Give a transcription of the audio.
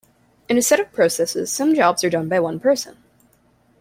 In a set of processes some jobs are done by one person.